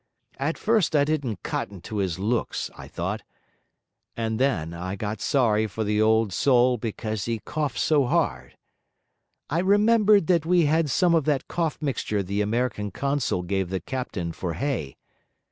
At first I didn't cotton to his looks, I thought, and then I got sorry for the old soul because he coughed so hard. I remembered that we had some of that cough mixture the American consul gave the captain for Hay.